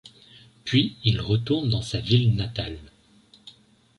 Puis il retourne dans sa ville natale.